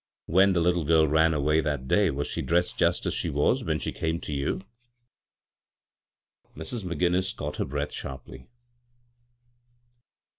" When the little girl ran away that day, was she dressed just as she was when she came to you ?" Mrs. McGinnis caught her breath sharply.